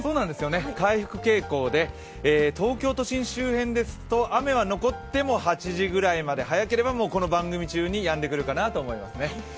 回復傾向で東京都心周辺ですと雨は残っても８時ぐらいまで早ければこの番組中にやんでくるかなと思いますね。